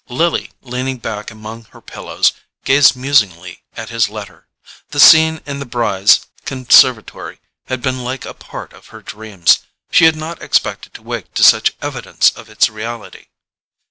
Lily, leaning back among her pillows, gazed musingly at his letter. The scene in the Brys' conservatory had been like a part of her dreams; she had not expected to wake to such evidence of its reality.